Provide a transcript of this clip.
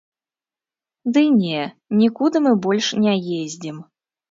Ды не, нікуды мы больш не ездзім.